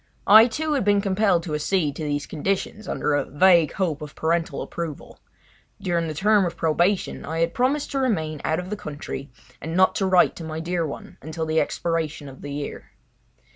I, too, had been compelled to accede to these conditions under a vague hope of parental approval. During the term of probation I had promised to remain out of the country and not to write to my dear one until the expiration of the year.